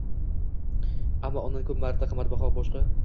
ammo undan ko‘p marta qimmatbaho boshqa